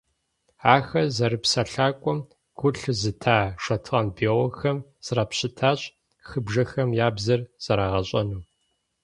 Ахэр зэрыпсэлъакӏуэм гу лъызыта шотланд биологхэм зрапщытащ хыбжэхэм я «бзэр» зэрагъэщӏэну.